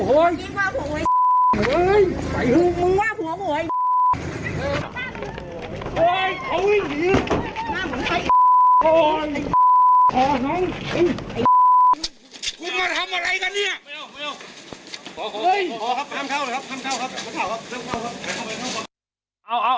โอ้ยคือพวกมันหว่าผัวหัวมันหว่าผัวมาเหลว